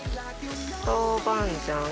豆板醤。